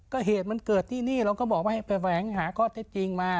ก็เหตุมันเกิดที่นี่เราก็บอกว่าให้ไปแฝงหาข้อเท็จจริงมา